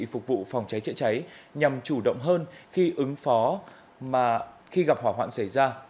phục vụ phòng cháy chữa cháy nhằm chủ động hơn khi ứng phó mà khi gặp hỏa hoạn xảy ra